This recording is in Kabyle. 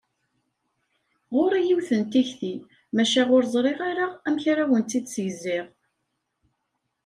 Ɣuṛ-i yiwet n tikti, maca ur ẓriɣ ara amek ara awen-tt-id-segziɣ!